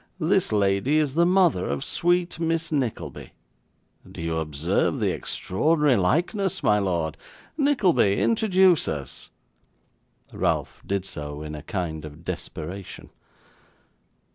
This lady is the mother of sweet Miss Nickleby. Do you observe the extraordinary likeness, my lord? Nickleby introduce us.' Ralph did so, in a kind of desperation.